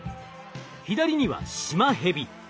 左にはシマヘビ。